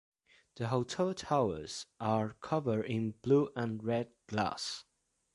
The hotel towers are covered in blue and red glass.